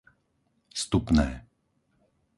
Stupné